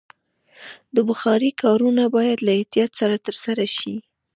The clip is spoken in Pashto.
د بخارۍ کارونه باید له احتیاط سره ترسره شي.